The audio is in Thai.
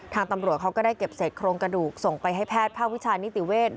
ทางตำรวจเขาก็ได้เก็บเศษโครงกระดูกส่งไปให้แพทย์ภาควิชานิติเวศ